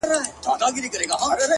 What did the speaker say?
باداره ستا رټلی مخلوق موږه رټي اوس”